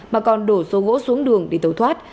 mà còn đổ số gỗ xuống đường để tẩu thoát